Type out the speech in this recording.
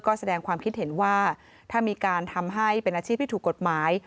ก็แสดงความคิดเห็นว่าถ้ามีการทำให้เป็นอาชีพที่ถูกกฎหมาย